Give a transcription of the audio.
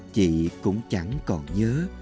chị cũng chẳng còn nhớ